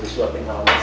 suapin kalau mas